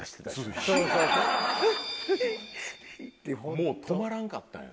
もう止まらんかったんやね。